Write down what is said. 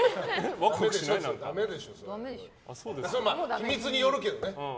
秘密によるけどね。